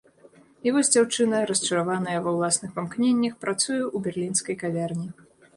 І вось дзяўчына, расчараваная ва ўласных памкненнях, працуе ў берлінскай кавярні.